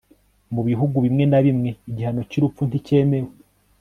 mu bihugu bimwe na bimwe igihano cy'urupfu nticyemewe